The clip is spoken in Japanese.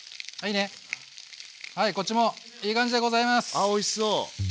あっおいしそう！